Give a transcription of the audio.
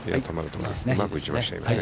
うまく打ちましたよね。